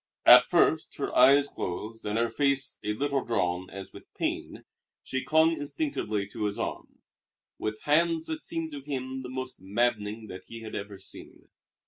At first, her eyes closed and her face a little drawn as with pain, she clung instinctively to his arm, with hands that seemed to him the most maddening that he had ever seen.